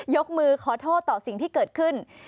ยกมือขอโทษต่อสิ่งที่เกิดขึ้น